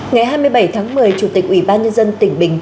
ngày hai mươi bảy tháng một mươi chủ tịch ủy ban nhân dân tỉnh bình